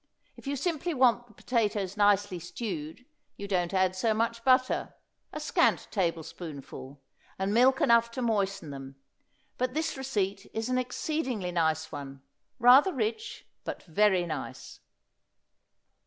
If you simply want the potatoes nicely stewed you don't add so much butter, a scant tablespoonful, and milk enough to moisten them; but this receipt is an exceedingly nice one rather rich, but very nice.